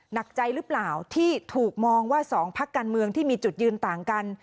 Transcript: หนักใจหรือเปล่าที่ถูกมองว่า๒พักการเมืองที่มีจุดยืนต่างกัน